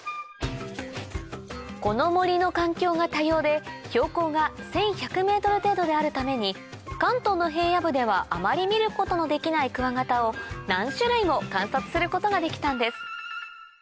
この森の環境が多様で標高が１１００ｍ程度であるために関東の平野部ではあまり見ることのできないクワガタを何種類も観察することができたんです